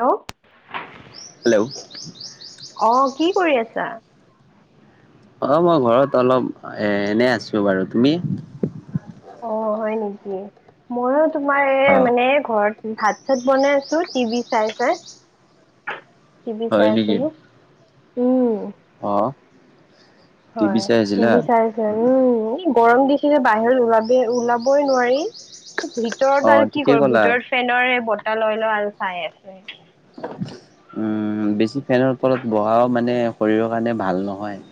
ল্ল'? ল্ল'? অ' কি কৰি আছা? অ' মই ঘৰত অলপ এ- এনে আছোঁ বাৰু। তুমি? অ হয় নেকি মইয়ো তোমাৰ এই অ মানে ঘৰত ভাত চাত বনাই আছো টিভি চাই চাই টিভি চাই আছিলো উম অহ। হয় টিভি চাই চাই উম এই গৰম দি বাহিৰত ওলাবি ওলাবই নোৱাৰি। অ ভিতৰত আৰু কি ঠিকেই কৰি ক'লা ভিতৰত ফেনৰ হে বতাহ লৈ লৈ আৰু চাই আছে। উম বেছি ফেনৰ তলত বহাও মানে শৰীৰৰ কাৰণে ভাল নহয়।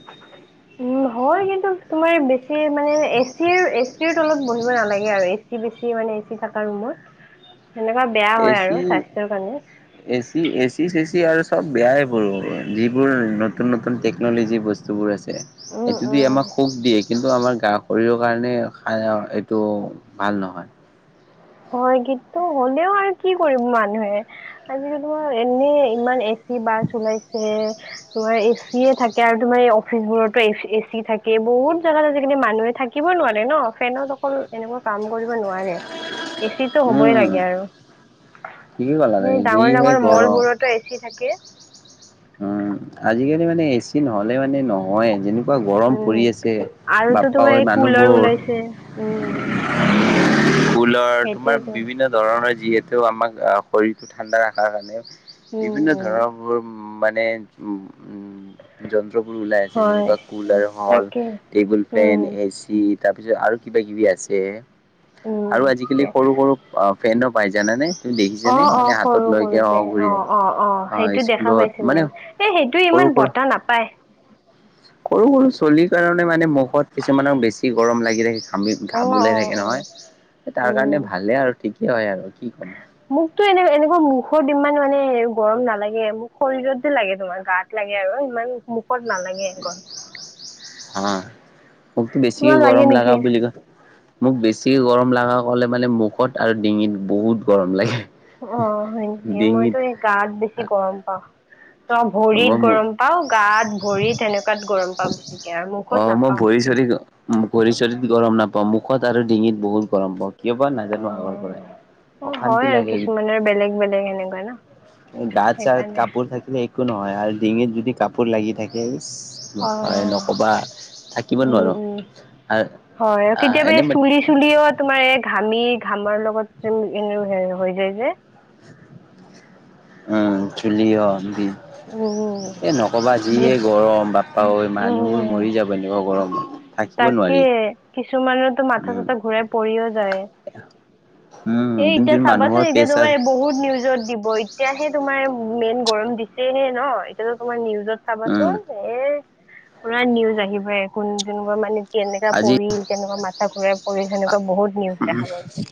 উম হয় কিন্তু তোমাৰ বেছি মানে এচি এচি ৰ তলত বহিব নালাগে আৰু এচি বেছি মানে এচি থকা ৰুমত সেনেকোৱা বেয়া হয় এচি আৰু স্বাস্থ্যৰ কাৰণে এচি এচি চেচি আৰু চব বেয়াই হল যিবোৰ নতুন নতুন টেকনলজি বস্তুবোৰ আছে উম, সেইটো দি উম। আমাক সুখ দিয়ে। কিন্তু আমাৰ শৰীৰৰ কাৰণে সা- এইটো ভাল নহয়। হয় কিন্তু হ'লেও আৰু কি কৰিম মানুহে। আজিকালি তোমাৰ এনে ইমান এ চি বাছ ওলাইছে, তোমাৰ এচিয়ে থাকে আৰু তোমাৰ এই অফিচবোৰতো এচ- এচি থাকে। বহুত জাগাত আজিকালি মানুহে থাকিব নোৱাৰে ন, ফেনত অকল এনেকোৱা কাম কৰিব নোৱাৰে। এচিটো হ'বই উম লাগে আৰু ঠিকেই ক'লা সেই তুমি ডাঙৰ যিহে ডাঙৰ মল গৰম বোৰতো এচি থাকে। উম আজিকালি মানে এচি নহলে মানে নহয়ে যেনো পুৰা গৰম উম পৰি আছে আৰুতো বাপা তোমাৰ অই এই কুলাৰ মানুহবোৰ ওলাইছে উম ফুলৰ তোমাৰ সেইটোয়েতো বিভিন্ন ধৰণৰ যিহেতু আমাক আ শৰীৰটো ঠাণ্ডা ৰখাৰ কাৰণে উম বিভিন্ন উম ধৰণবোৰ উ মানে উ উ জন্তু টো বোৰ ওলাই আছে হয় যেনেকোৱা কুলাৰ হল তাকে টেবুল উম ফেন, এচি তাৰ পিছত আৰু কিবা কিবি আছে উম আৰু আজিকালি তাকে সৰু সৰু অ ফেন ও পাই জানানে? তুমি অ দেখিছানে অ মানে হাতত সৰু লৈকে সৰু যে ঘূৰি অ থাকে। অ অ সেইটো দে দেখা স্কুলত মানে পাইছিলো এ সেইটো সৰু ইমান সৰু বতাহ নাপায়। সৰু সৰু চলিৰ কাৰণে মানে মুখত কিছুমানক বেছি গৰম লাগি ৰাখিছে ঘামি অ', ঘাম ও ওলাই অ', থাকে অ'। নহয়, তাৰ কাৰণে উম। ভালে আৰু ঠিকেই হয় আৰু কি ক'ম মোকতো এনে এনে ম মুখত ইমান মানে গৰম নালাগে মোক শৰীৰত লাগে তোমাৰ গাত লাগে আৰু ইমান মুখত নালাগে এ ঘৰ হা মোকতো বেছি লাগে গৰম নেকি? লাগাব বুলি ক মোক বেছি গৰম লাগা কলে মানে মুখত আৰু ডিঙিত বহুত গৰম লাগে। অ হয় নেকি ডিঙিত মইতো এই গাত বেছি গৰম পাওঁ। ত ভৰিত মই মু গৰম পাও, গাত ভৰিত সেনেকোৱাত গৰম পাও, বেছিকে আৰু অ মুখত মই নাপাও। ভৰি চৰি ভৰি চৰিত গৰম নাপাওঁ মুখত আৰু ডিঙিত বহুত গৰম পাওঁ। কিয় বা নাজানো আগৰ পৰাই অ', অ হয় অশান্তি আৰু লাগে। কিছুমানৰ বেলেগ বেলেগ সেনেকুৱা ন গাত চাত সেইকাৰণে। কাপোৰ থাকিল একো নহয় আৰু ডিঙিত যদি কাপোৰ লাগি থাকে অ এ নক'বা থাকিব উম নোৱাৰোঁ উম হয় কেতিয়াবা এনে এ বাট চুলি চুলিও তোমাৰ এক ঘামি ঘামাৰ লগত এনে হৈ যায় যে উম চুলি অহ উম এই নক'বা যিয়ে যেতিয়া গৰম বাপা অই মানুহবোৰ উম মৰি যাব এনেকোৱা গৰমত। থাকিব তাকে নোৱাৰি কিছুমানেতো মাথা উম চাথা ঘূৰাই পৰিও যায়। উম এ যোন এতিয়া যোন মানুহৰ চাবাচোন এতিয়া প্ৰেছাৰ তোমাৰ বহুত নিউজত দিব এতিয়াহে তোমাৰ মেইন গৰম দিছে হে ন এতিয়াতো তোমাৰ নিউজত উম চাবাচোন এ পুৰা নিউজ আহিবয়ে কোন তেনেকোৱা মানে কি কেনেকা আজি পৰিল কেনেকুৱা মাথা ঘূৰাই পৰিল সেনেকুৱা বহুত নিউজ উম, দেখাব এতিয়া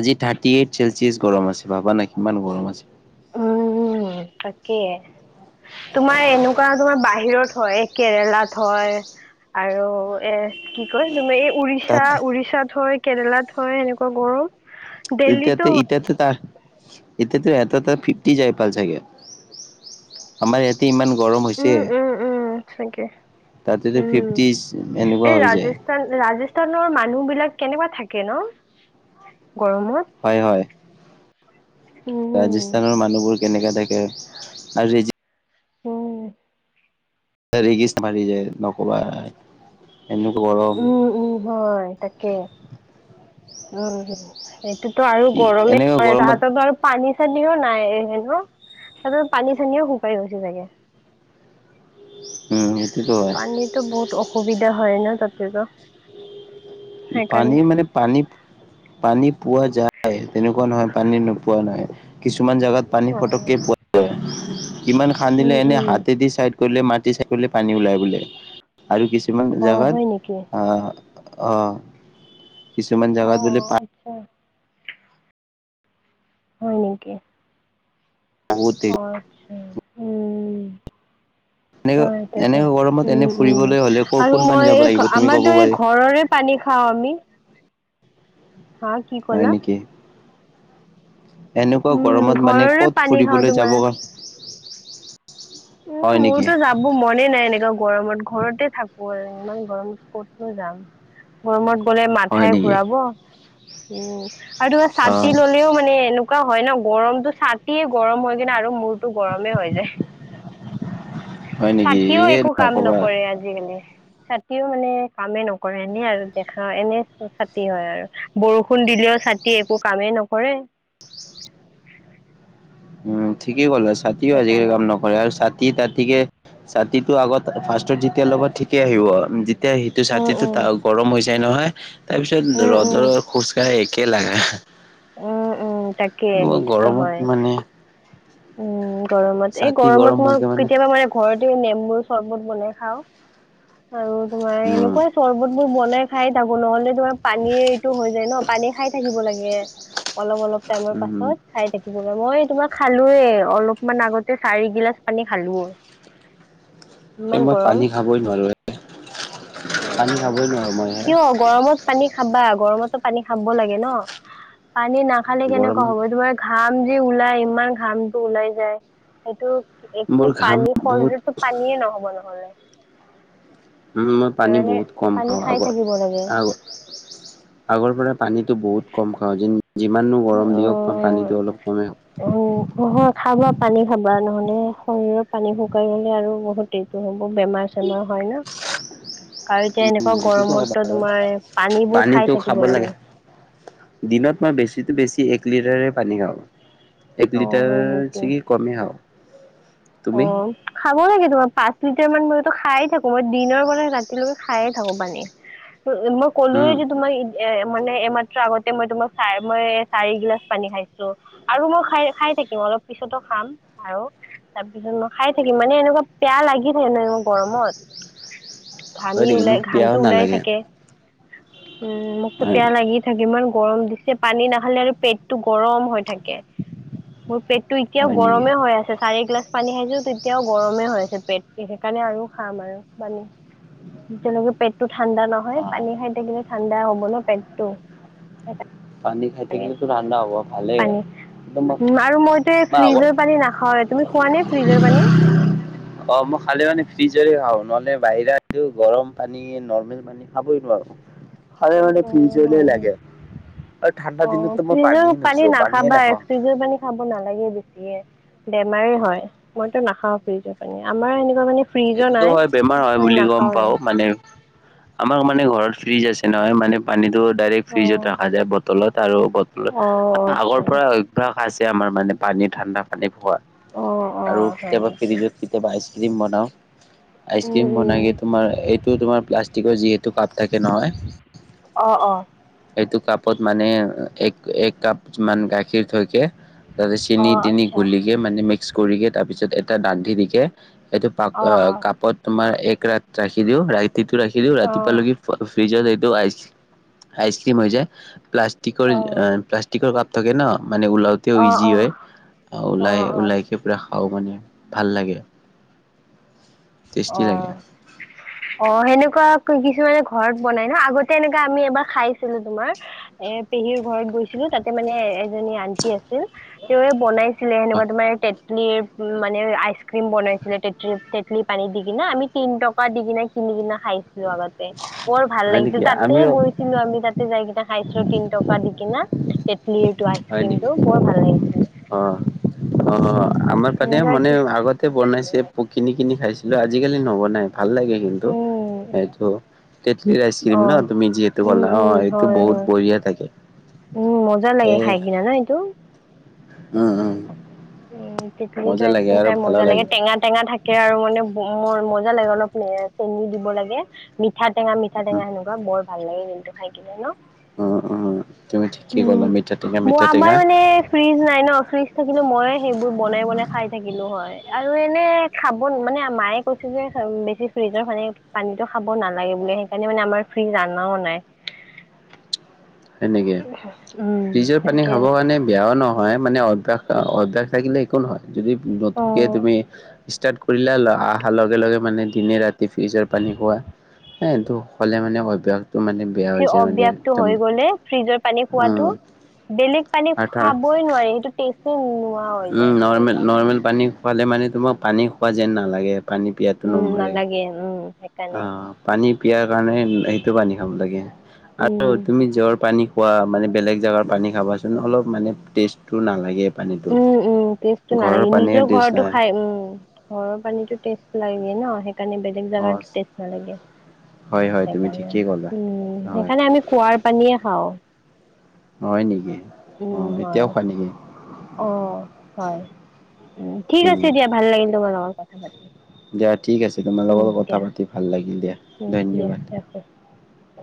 আজি থাৰ টিএইট চেলচিয়াছ গৰম আছে ভাবা না কিমান গৰম আছে। উম, তাকে তোমাৰ এনেকুৱা তোমাৰ বাহিৰত হয়, কেৰেলাত হয়, আৰু এ কি কয় তুমি উৰিষ্যা তাত - উৰিষ্যাত হয়, কেৰেলাত হয় এনেকুৱা গৰম। দেল্লীতো এতিয়াতে হয় ইততাতে তাহ এতিয়া টো এহাৰ তাতে ফিফটি যায় পাল চাগে আমাৰ ইয়াতে ইমান গৰম হৈছে ছাগে তাতেতো উম, ফিফটি এনেকুৱা এই হৈ যায় ৰাজস্থান -ৰাজস্থানৰ মানুহ বিলাক কেনেকুৱা থাকে ন'? গৰমত হয় -হয় উম ৰাজস্থানৰ মানুহবোৰ কেনেকা থাকে আৰু ৰেজি উম ৰেগিছ মাৰি যায় নকবা আৰু উম উম হয় তাকে উম সেইটোতো আৰু কি গৰমেই এনেকুৱা হয় গৰমত তাহাঁতো আৰু পানী চানিও নাই হে ন তাৰ পানী চানীও শুকাই গৈছে চাগে। [inaudible] উম সেইটোতো হয় পানীটো বহুত অসুবিধা হয় ন'তাতে টো পানী মানে পানী- পানী পোৱা যায় পাই তেনেকুৱা নহয় পানী নোপোৱা নহয় কিছুমান জোগাত পানী ফটককে অ'। পোৱা যায়। ইমান খান্দিলে উম, এনে উম, হাতেদি চাইড কৰিলে মাটি চাইড কৰিলে পানী ওলাই বোলে। আৰু কিছুমান অ', জেগাত হয় নেকি? অহ - অহ কিছুমান জেগাত বোলে অ', পা আচ্ছা। হয়, নেকি। বহুত অহ, আচ্ছা উম। এনেকা হয় তাকে, এনেকা গৰমত এনে উম -উম ফুৰিবলৈ হলে ক আৰু কোন পানী মই যাব এই লাগিব তুমি ক'ব আমাৰতো এই পাৰি ঘৰৰে পানী পানী খাওঁ আমি। হা কি হয় ক'লা? নেকি এনেকুৱা উম, গৰমত মানে ঘৰৰে ক'ত পানী খাওঁ ফুৰিবলৈ তোমাৰ। যাব উম, হয় নেকি মোৰতো যাব মনে নাই এনেকা গৰমত ঘৰতে থাকো। [unintelligible] ইমান গৰমত ক'তনো যাম গৰমত গলে হয় মাথাই নেকি ঘূৰাব উম, আৰু তোমাৰ অ ছাতি ল'লেও মানে এনে এনেকুৱা হয় ন' গৰমতটো ছাতিয়ে গৰম হৈ কিনে আৰু মূৰটো গৰমেই হৈ যায়। হয় নেকি? ছাতিয়েও এ একো কাম নক'বা। নকৰে আজিকালি। ছাতিও মানে কামে নকৰে এনে আৰু দেখা এনে ছাতি হয় আৰু বৰষুণ দিলেও ছাতি একো কামেই নকৰে। উম, ঠিকেই কলা ছাতিও আজিকালি সেইকাৰণে কাম নকৰে আৰু ছাতি- তাতীকে ছাতিটো আগত ফাৰ্ষটত যেতিয়া লগত ঠিকে আহিব যেতিয়া সেইটো উম ছাতিটো উম গৰম হৈ যাই নহয় হয়, তাৰ পিছত উম ৰ'দৰ উম খোজ কাঢ়া একে লাগা উম উম তাকে [inaudible] মই সেইটোতো হয় গৰমত মানে উম, গৰমত এই ছাতি গৰমত গৰম মই হ'লে কেতিয়াবা মানে ঘৰত নেম্বুৰ চৰ্বত বনাই খাও আৰু তোমাৰ উম, এনেকুৱাই চৰ্বত মো বনাই খাই থাকো নহ'লে তোমাৰ পানীৰ এইটো হৈ যায় ন' পানী খাই থাকিব লাগে। ইয়ে অলপ- অলপ টাইমৰ উম। পাছত খাই থাকিব [unintelligible] মই তোমাৰ খালো টোৱে অলপমান আগতে চাৰি গিলাচ পানী খালোৱ। [unintelligible] মই পানী খাবই নোৱাৰোৱে। অহ, হে কিয় গৰমত পানী খাবা গৰমত পানী খাব লাগে ন, পানী নাখালে কেনেকুৱা গৰমত। হ'ব তোমাৰ ঘাম যি ওলাই ইমান ঘামটো ওলাই যায়, সেইটো মোৰ একো ঘাম পানী বহুত, শৰীৰতো পানীয়ে নহব নহয়। উম মই পানী বহুত কম পানী খাওঁ খাই আগৰ, থাকিব লাগে আগ আগৰ পৰা পানী টো বহুত কম খাও যেন যিমাননো গৰম দিয়ক বা অ পানীটো অলপ কমেই উম, নহয় খাবা হওক পানী খাবা নহ'লে শৰীৰৰ পানী শুকাই গলে আৰু বহুত দিগদাৰি হ'ব। বেমাৰ -চেমাৰ হয় ন? আৰু এতিয়া এনেকুৱা গৰমত ত তোমাৰ পানীবোৰ খাই পানীটো খাব থাকিব লাগে। দিনত মই বেছিতো বেছি কি এক লিটাৰে পানী খাওঁ, এক অ', লিটাৰ হয় নেকি? চাগে কমেই খাওঁ। অ তুমি খাব লাগে তোমাৰ পাঁচ লি তাৰ মাণ খায় থাকো মই দিনৰ পৰা ৰাতিলৈকে খায়ে থাকো পানী। মই ক'লোয়ে উম যে তোমাৰ ই এ মানে এমাত্ৰ আগতে মই তোমাক চাই মই চাৰিগিলাচ পানী খাইছো, আৰু মই খাই খাই থাকিম। অলপ পিছতো খাম আৰু তাৰপিছত মই খাই থাকিম মানে এনেকুৱা পেয়াহ লাগি থাকে ন'এনেও গৰমত। হয় ঘামি নেকি মোক ওলাই পিয়াও ঘামটো ওলাই নালাগে থাকে। উম, মোকতো পিয়াহ লাগি থাকে বাৰু গৰম দিছে পানী নাখালে আৰু পেটটো গৰম হৈ থাকে। মোৰ পেটটো এতিয়াও হয় নেকি গৰমে হৈ আছে চাৰিগিলাচ পানী খাইছো তেতিয়াও গৰমে হৈ আছে পেট, সেইকাৰণে আৰু খাম আৰু পানী। যেতিয়ালৈকে পেটটো ঠাণ্ডা নহয়, অ পানী খাই থাকিলে ঠাণ্ডা হব ন পেটটো। পানী খাই থাকিলেতো ঠাণ্ডা হ'ব ভালেই। একদম উম আৰু মইতো মই আগৰ ফ্ৰিজৰ পানী নাখাও তুমি খোৱা নে ফ্ৰী অ মই খালে মানে ফ্ৰিজ এৰ সে আৰু নহলে বাহিৰা গৰম পানী, নৰ্মেল পানী খাবই নোৱাৰো। খালে মানে অ ফ্ৰিজলে হয় লাগে। আৰু ঠাণ্ডা অ দিনততো মই ফ্ৰিজৰ পানীয়ে পানী নুচো পানীয়ে নাখাবা, নাখাওঁ। ফ্ৰিজৰ পানী খাব নালাগে বেছি। বে বেমাৰে হয়, মইতো নাখাওঁ ফ্ৰীজৰ পানী আমাৰ এনেকুৱা মানে ফ্ৰিজো সেইটোতো নাই হয় বেমাৰ হয় বুলি গম নাখাওঁৱে পাও মানে, আমাৰ মান মানে ঘৰত ফ্ৰীজ আছে নহয় মানে পানীটো ডাইৰেক্ট ফ্ৰিজত ৰখা অ যায়, বটলত আৰু বলত অ আগৰ আচ্ছা পৰা অভ্যাস আছে আমাৰ মানে পানী ঠাণ্ডা পানী খোৱা অ অ আৰু হয় কেতিয়াবা নেকি ফ্ৰীজত কেতিয়াবা আইচ ক্ৰীম বনাও, উম আইচক্ৰীম বনাই উম তোমাৰ ইটো তোমাৰ প্লাষ্টিকৰ যিহেতু কাপ তাকে নহয় অ অ এইটো কাপত মানে এক এক কাপ মান গাখীৰ থৈকে তাৰচে অ চেনি তিনি আচ্ছা ঘলিকে মানে মিক্স কৰি যে তাৰপিছত এটা দান্ধি দিকে সেইটো অ কাপত তোমাৰ এক ৰাত ৰাখি দিওঁ ৰাইতিটো ৰাখি দিও অ ৰাতিপুৱা লৈকে ফ্ৰিজত আইচ আইচক্ৰিম হৈ যায় প্লাষ্টিকৰ অ প্লাষ্টিকৰ কাপ থাকে ন। মানে ওলাওঁতেও অ ইজি অ হয়, অ ওলাই অ ওলাইকে পূৰা খাও মানে ভাল লাগে। টেষ্টি অ লাগে অ সেনেকুৱা কিছুমানে ঘৰত বনাই ন আগতে এনেকা আমি এবাৰ খাইছিলো তোমাৰ এ পেহীৰ ঘৰত গৈছিলো। তাতে মানে এজনী আন্টি আছিল, তেওঁ এ বনাই ছিলে সেনেকুৱা তোমাৰ তেতলিৰ মানে আইচক্ৰীম বনাইছিলে তেতলিৰ তেতলি পানী দি কিনা আমি তিন টকা দি কিনে কিনি কিনা খাইছিলো আগতে, বৰ ভাল হয় লাগিছিল নেকি তাতে আমিও বহিছিলো আমি তাতে যাই কেনে চাইন্সৰ তিনি টকা দি কিনা সেই হয় নেকি অ অ। আমাৰ পানে সেনেকুৱা মানে কিছু আগতে বনাইছে কিনি কিনি খাইছিলো আজিকালি নবনাই। ভাল লাগে কিন্তু উম এইটো তেটলি ৰ আইচক্ৰীম অ ন তুমি যিহেতু উম কলা অ উম এইটো হয় বহুত হয় বঢ়িয়া থাকে। উম মজা এ লাগে খাই কিনা ন এইটো। উম উম উম টেটলি টো মজা আইছ লাগে ক্ৰিম আৰু খাই ভালো মজা লাগে, টেঙা টেঙা থাকে আৰু মানে ম মজা লাগে অলপ চেনি দিব লাগে মিঠা টেঙা মিঠা উম টেঙা সেনেকুৱা বৰ ভাল লাগে। পিনটো খাই কিনে ন অ অ উম মই আমাৰ টেঙা মানে ফ্ৰিজ নাই ন ফ্ৰিজ থাকিলে মই সেইবোৰ বনাই বনাই খাই থাকিলো হয় আৰু এনে খাব মানে মায়ে কৈছে যে বেছি ফ জৰ মানে পানীটো খাব নালাগে বোলে সেইকাৰণে মানে আমাৰ ফ্ৰীজ অনাও নাই [inaudible] সেনেকে উম ফ্ৰিজৰ পানী তাকে খাব কাৰণে বেয়াও ন হয় মানে অভ্যাস অভ্যাস থাকিলে একো নহয় যদি নতুনকে অ তুমি ষ্টাৰ্ট কৰিলে অহাৰ লগে লগে মানে দিনে ৰাতি ফ্ৰিজৰ পানী খোৱা এ সেইটো হলে মানে অভ্যাসটো মানে বেয়া বেছি হৈ যায় মানে অভ্যাসটো হৈ একদম গ'লে ফ্ৰিজৰ পানী উম খোৱাাটো, বেলেগ পানী আৰু ধৰা খোৱাবই নোৱাৰি সেইটো টেছো উম নৰ্মেল -নৰ্মেল পানী খোৱালে মানে তোমাক পানী খোৱা যেন নালাগে। পানী পিয়াটো উম, নমৰে। নালাগে উম। অ সেইকাৰণে। পানী পিয়াৰ কাৰণে সেইটো পানী খাব লাগে আৰু উম, তুমি জ্বৰ পানী খোৱা মানে বেলেগ জেগাৰ পানী খাবাচোন অলপ মানে টেষ্টটো নালাগে। পানীটো উম উম টেষ্টটো ঘৰৰ নালাগে নিজৰ পানীৰ দিছ ঘৰতো নাই খাই উম ঘৰৰ পানীতো টেষ্ট লাগে ন কাৰণে বেলেগ অ জোগাতো টেষ্ট নালাগে হয় হয় তুমি সেইকাৰনে ঠিকেই ক'লা উম হয় সেইকাৰণে আমি কুঁৱাৰ পানীয়ে খাওঁ হয় নেকি অ উম, এতিয়াও হয় খোৱা নেকি অ হয় উ ঠিক আছে উম দিয়া ভাল লাগিল তোমাৰ লগত কথা পাতি দিয়া ঠিক আছে তোমাল উম, লগোকৰ কথা দিয়া পাতি ভাল লাগিল দিয়া ধন্যবাদ। অ